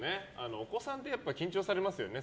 お子さんって緊張されますよね。